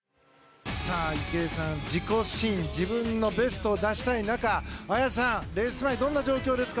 池江さん、自己新自分のベストを出したい中綾さん、レース前どんな状況ですか？